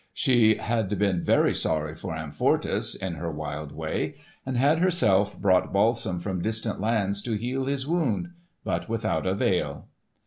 She had been very sorry for Amfortas, in her wild way, and had herself brought balsam from distant lands to heal his wound, but without avail.